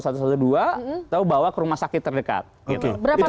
atau bawa ke rumah sakit terdekat